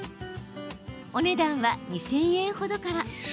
お値段は２０００円ほどから。